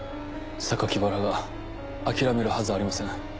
原が諦めるはずありません。